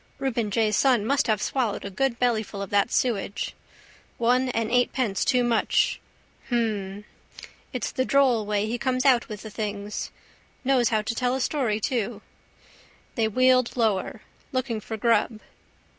Reuben J's son must have swallowed a good bellyful of that sewage. One and eightpence too much. Hhhhm. It's the droll way he comes out with the things. Knows how to tell a story too. They wheeled lower. Looking for grub.